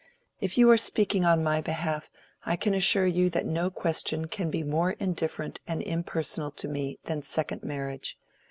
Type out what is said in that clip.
"If you are speaking on my behalf, I can assure you that no question can be more indifferent and impersonal to me than second marriage.